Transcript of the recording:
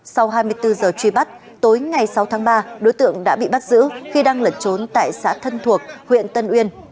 sau hai mươi bốn giờ truy bắt tối ngày sáu tháng ba đối tượng đã bị bắt giữ khi đang lẩn trốn tại xã thân thuộc huyện tân uyên